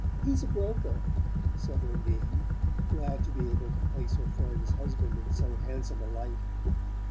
"He's a broker," said Undine, glad to be able to place her friend's husband in so handsome a light.